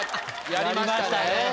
やりましたね。